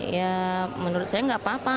ya menurut saya nggak apa apa